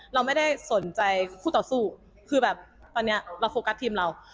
เราไม่ได้สนใจคู่ต่อสู้คือแบบตอนนี้เราโฟกัสทีมเรา